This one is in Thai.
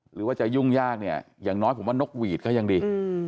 หรือว่าจะยุ่งยากเนี่ยอย่างน้อยผมว่านกหวีดก็ยังดี